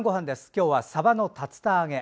今日はさばの竜田揚げ。